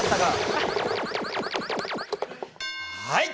はい！